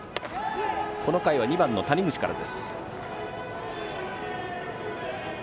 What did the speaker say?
この回は２番、谷口から。